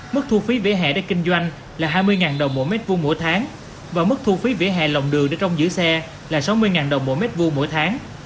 mức thu phí vỉa hè để kinh doanh là hai mươi ngàn đồng mỗi mét vu mỗi tháng và mức thu phí vỉa hè lòng đường để trông giữa xe là sáu mươi ngàn đồng mỗi mét vu mỗi tháng